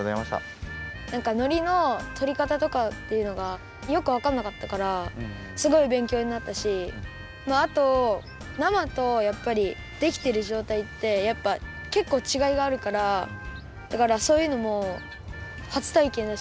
なんかのりのとりかたとかっていうのがよくわかんなかったからすごいべんきょうになったしあとなまとやっぱりできてるじょうたいってやっぱけっこうちがいがあるからだからそういうのもはつたいけんだし